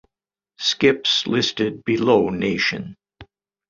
Skips listed below nation.